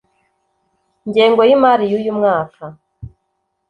ngengo y’imari yuyu mwaka